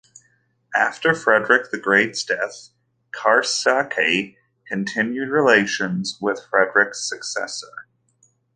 After Frederick the Great's death, Krasicki continued relations with Frederick's successor.